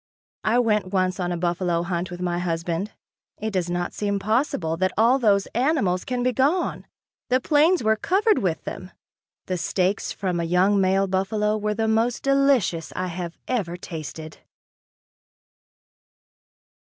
I went once on a buffalo hunt with my husband. It does not seem possible that all those animals can be gone. The plains were covered with them. The steaks from a young male buffalo were the most delicious I have ever tasted.